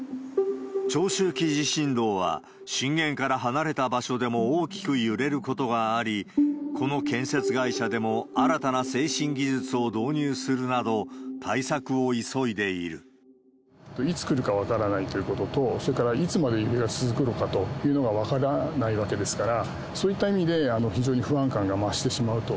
長周期地震動は、震源から離れた場所でも大きく揺れることがあり、この建設会社でも新たな制振技術を導入するなど、対策を急いでいいつ来るか分からないということと、それから、いつまで揺れが続くのかというのが分からないわけですから、そういった意味で、非常に不安感が増してしまうと。